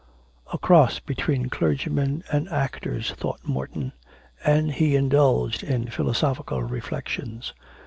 'A cross between clergymen and actors,' thought Morton, and he indulged in philosophical reflections.